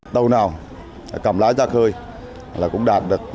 đầu nào cầm lá ra khơi là cũng đạt được